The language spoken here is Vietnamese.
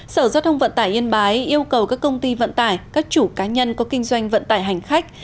sở giao thông vận tải yên bái yêu cầu các công ty vận tải các chủ cá nhân có kinh doanh vận tải hành khách